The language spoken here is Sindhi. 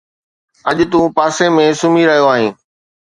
اڄ تون پاسي ۾ سمهي رهيو آهين